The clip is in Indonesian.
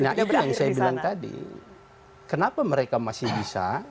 nah itu yang saya bilang tadi kenapa mereka masih bisa